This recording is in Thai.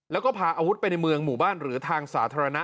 แล้วก็พาอาวุธไปในเมืองหมู่บ้านหรือทางสาธารณะ